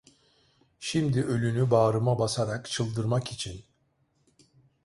Şimdi ölünü bağrıma basarak çıldırmak için…